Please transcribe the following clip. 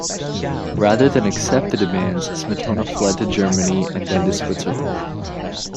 Rather than accept the demands, Smetona fled to Germany and then to Switzerland.